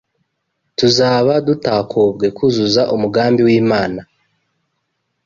tuzaba dutakobwe kuzuza umugambi w’Imana